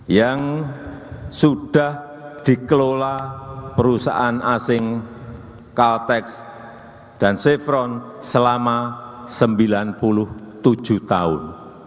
yang sudah dikelola perusahaan asing caltex dan chevron selama sembilan puluh tujuh tahun